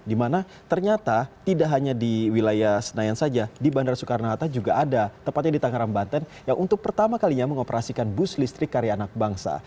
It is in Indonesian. dimana ternyata tidak hanya di wilayah senayan saja di bandara soekarno hatta juga ada tepatnya di tangerang banten yang untuk pertama kalinya mengoperasikan bus listrik karya anak bangsa